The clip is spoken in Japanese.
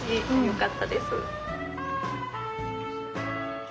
よかったです。